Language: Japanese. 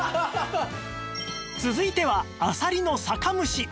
続いてはあさりの酒蒸し